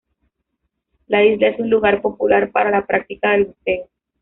La isla es un lugar popular para la práctica del buceo.